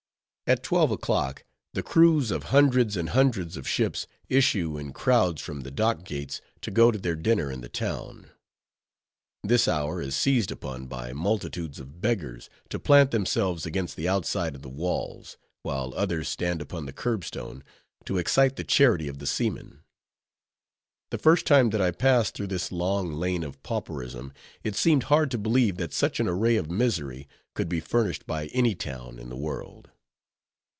At twelve o'clock the crews of hundreds and hundreds of ships issue in crowds from the dock gates to go to their dinner in the town. This hour is seized upon by multitudes of beggars to plant themselves against the outside of the walls, while others stand upon the curbstone to excite the charity of the seamen. The first time that I passed through this long lane of pauperism, it seemed hard to believe that such an array of misery could be furnished by any town in the world.